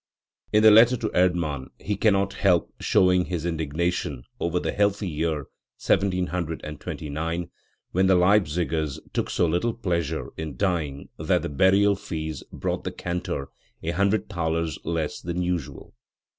In the letter to Erdmann he cannot help show ing his indignation over the healthy year 1729, when the Leipzigers took so little pleasure in dying that the burial fees brought the cantor a hundred thalers less than usual.